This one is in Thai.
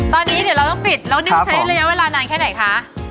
ตอนนี้เดี๋ยวเราต้องปิดแล้วนึ่งใช้ระยะเวลานานแค่ไหนคะ